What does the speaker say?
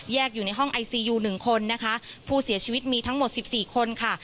อยู่ในห้องไอซียูหนึ่งคนนะคะผู้เสียชีวิตมีทั้งหมดสิบสี่คนค่ะ